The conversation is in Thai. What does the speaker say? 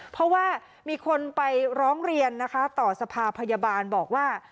เพราะว่ามีคนไปร้องเรียนนะคะต่อสภาพพยาบาลบอกว่า